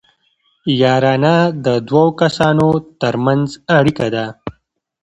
یارانه د دوو کسانو ترمنځ اړیکه ده